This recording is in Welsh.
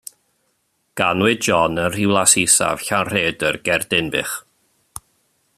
Ganwyd John yn Rhiwlas Isaf, Llanrhaeadr, ger Dinbych.